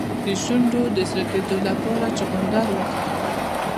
د شونډو د سره کیدو لپاره چغندر وکاروئ